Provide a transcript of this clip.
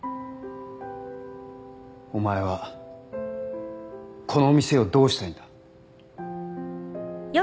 お前はこの店をどうしたいんだ。